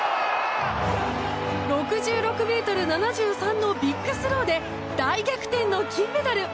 ６６ｍ７３のビッグスローで大逆転の金メダル。